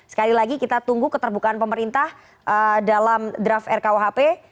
sekali lagi kita tunggu keterbukaan pemerintah dalam draft rkuhp